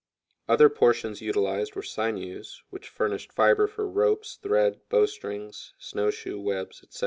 Other portions utilized were sinews, which furnished fiber for ropes, thread, bow strings, snow shoe webs, etc.